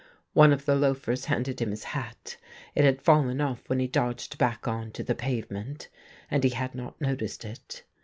One of the loafers handed him his hat ; it had fallen off when he dodged back on to the pavement, and he had not noticed it.